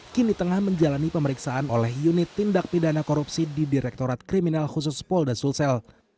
kini tengah menjalani pemeriksaan oleh unit tindak pidana korupsi di direktorat kriminal khusus polda sulsel